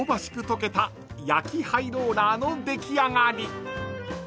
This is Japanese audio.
溶けた焼きハイローラーの出来上がり！］